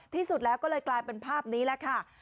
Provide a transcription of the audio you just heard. ที่สุดแล้วก็เลยกลายเป็นภาพนี้แหละค่ะ